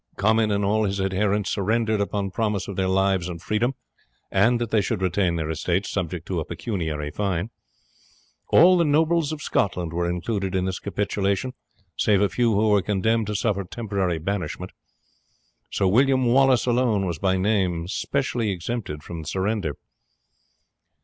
Comyn and all his adherents surrendered upon promise of their lives and freedom, and that they should retain their estates, subject to a pecuniary fine. All the nobles of Scotland were included in this capitulation, save a few who were condemned to suffer temporary banishment. Sir William Wallace alone was by name specially exempted from the surrender.